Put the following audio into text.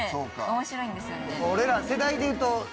俺ら世代でいうと。